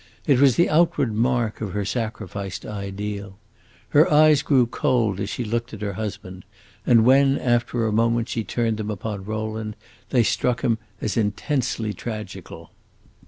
It was the outward mark of her sacrificed ideal. Her eyes grew cold as she looked at her husband, and when, after a moment, she turned them upon Rowland, they struck him as intensely tragical.